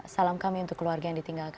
salam kami untuk keluarga yang ditinggalkan